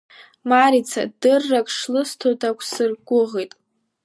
Марица дыррак шлысҭоз дақәсыргәыӷит.